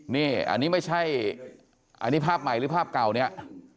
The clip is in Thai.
นี่อันนี้ไม่ใช่อันนี้ภาพใหม่หรือภาพเก่าเนี่ย